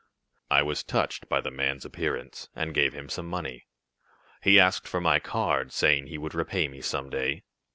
"I was touched by the man's appearance, and gave him some money. He asked for my card, saying he would repay me some day.